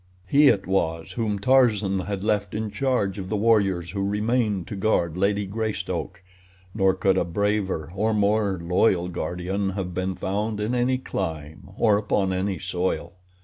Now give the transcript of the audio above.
He it was whom Tarzan had left in charge of the warriors who remained to guard Lady Greystoke, nor could a braver or more loyal guardian have been found in any clime or upon any soil.